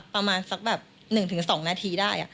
ประมาณสักแบบ๑๒นาทีได้